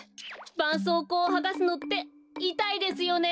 ばんそうこうをはがすのっていたいですよね。